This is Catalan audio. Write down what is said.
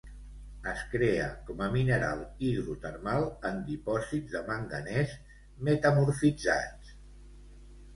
Es crea com a mineral hidrotermal en dipòsits de manganès metamorfitzats.